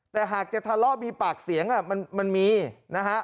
แต่หากจะทะเลาะมีปากเสียงมันมีนะฮะ